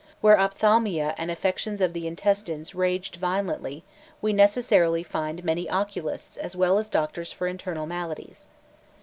Where ophthalmia and affections of the intestines raged violently, we necessarily find many oculists[*] as well as doctors for internal maladies.